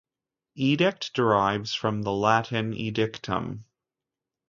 "Edict" derives from the Latin edictum.